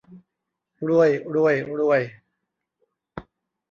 รวย รวย รวย